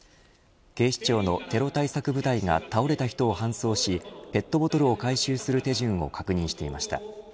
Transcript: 警視庁のテロ対策部隊が倒れた人を搬送しペットボトルを回収する手順を確認していました。